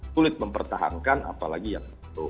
kulit mempertahankan apalagi yang baru